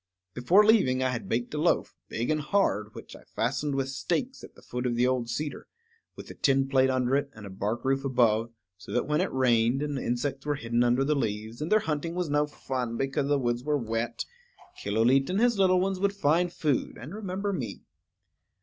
Before leaving I had baked a loaf, big and hard, which I fastened with stakes at the foot of the old cedar, with a tin plate under it and a bark roof above, so that when it rained, and insects were hidden under the leaves, and their hunting was no fun because the woods were wet, Killooleet and his little ones would find food, and remember me.